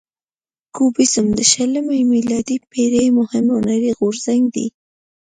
کوبیزم د شلمې میلادي پیړۍ مهم هنري غورځنګ دی.